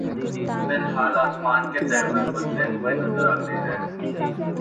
فی الحال آسمانوں کے تیور بدلے ہوئے نظر آتے ہیں۔